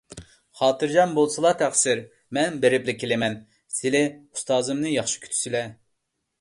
خاتىرجەم بولسىلا، تەقسىر. مەن بېرىپلا كېلىمەن، سىلى ئۇستازىمنى ياخشى كۈتسىلە.